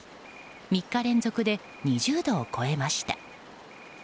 ３日連続で２０度を超えました。